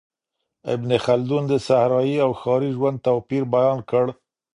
ابن خلدون د صحرایي او ښاري ژوند توپیر بیان کړ.